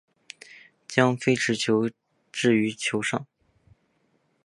将非持球脚置于球上。